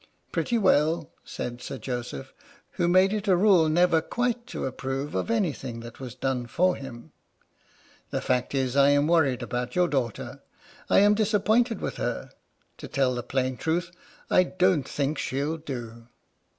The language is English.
" Pretty well," said Sir Joseph, who made it a rule never quite to approve of anything that was done for him, " the fact is I am worried about your daughter. I am disappointed with her. To tell the plain truth, I don't think she'll do."